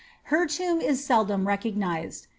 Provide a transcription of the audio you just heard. Her tomb is seldom recognised.